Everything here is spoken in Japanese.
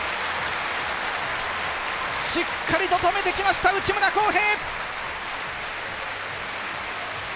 しっかり止めてきました、内村航平！